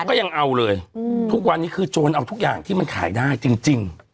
ก็ยังเอาเลยทุกวันนี้คือโจรเอาทุกอย่างที่มันขายได้จริง